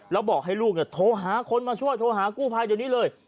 แล้วบอกให้ลูกโทรหาคนมาช่วยโทรหากู้ภัยเดี๋ยวนี้เลย